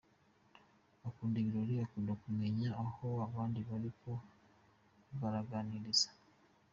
Akunda ibirori, akunda kumenya aho bandi bari no kubaganiriza.